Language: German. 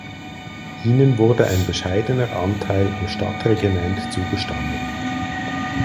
Ihnen wurde ein bescheidener Anteil am Stadtregiment zugestanden.